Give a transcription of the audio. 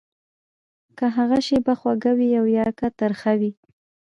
که هغه شېبه خوږه وي او يا که ترخه وي.